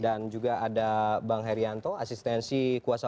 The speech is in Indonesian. dan juga ada bang herianto asistensi kuasa